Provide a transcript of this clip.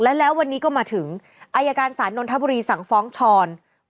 แล้ววันนี้ก็มาถึงอายการศาลนนทบุรีสั่งฟ้องช้อน